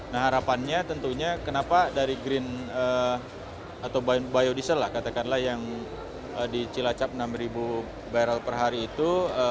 nah harapannya tentunya kenapa dari green atau biodiesel lah katakanlah yang di cilacap enam ribu barrel per hari itu